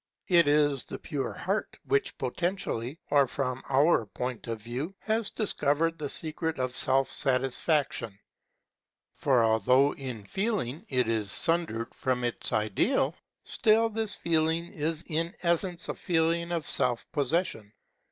It is the pure heart, which potentially, or from our point of view, has discovered the secret of self satisfaction. For although in feeling it is sundered from its Ideal, still this feeling is in essence a feeling of self possession.